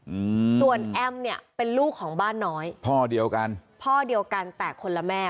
อืมส่วนแอมเนี้ยเป็นลูกของบ้านน้อยพ่อเดียวกันพ่อเดียวกันแต่คนละแม่